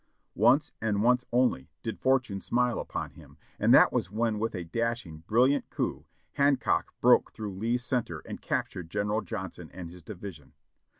Once, and once only, did fortune smile upon him, and that was when with a dashing, brilliant coup, Hancock broke through Lee's center and captured General Johnson and his division.